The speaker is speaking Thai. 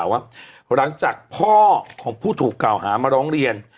หลังจากพ่อของผู้ถูกเก่าหามาล้องรีน